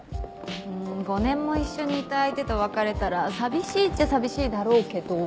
ん５年も一緒にいた相手と別れたら寂しいっちゃ寂しいだろうけど。